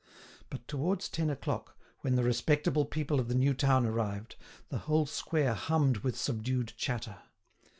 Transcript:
But towards ten o'clock, when the respectable people of the new town arrived, the whole square hummed with subdued chatter.